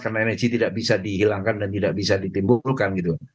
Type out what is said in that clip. karena energi tidak bisa dihilangkan dan tidak bisa ditimbulkan gitu